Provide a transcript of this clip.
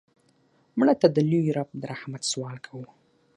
مړه ته د لوی رب د رحمت سوال کوو